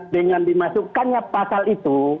dengan dimasukkannya pasal itu